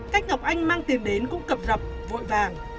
cách ngọc anh mang tiền đến cũng cập rập vội vàng